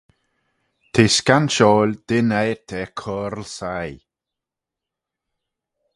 T'eh scanshoil dyn eiyrt er coyrle sie.